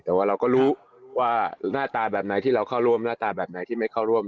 แต่ว่าเราก็รู้ว่าหน้าตาแบบไหนที่เราเข้าร่วมหน้าตาแบบไหนที่ไม่เข้าร่วม